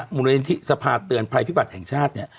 มูลนิธิสภาเตือนภัยพิบัติแห่งชาติเนี่ย